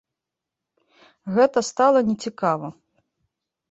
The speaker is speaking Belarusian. Гэта стала не цікава.